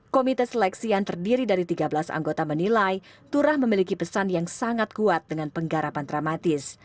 komite seleksi yang terdiri dari tiga belas anggota menilai turah memiliki pesan yang sangat kuat dengan penggarapan dramatis